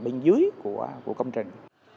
bên dưới của công trình